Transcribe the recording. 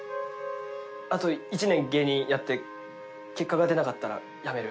あと１年芸人やって結果が出なかったらやめる。